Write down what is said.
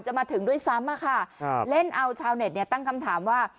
จะมาถึงด้วยซ้ำนะค่ะเล่นเอาชาวเนจตั้งคำถามว่า